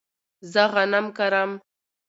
زه غنم کرم